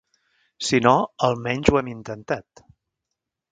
Si no, al menys ho hem intentat.